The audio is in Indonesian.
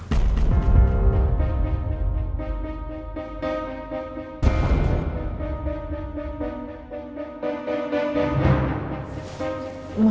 kamu harus mengaku sebagai anak seseorang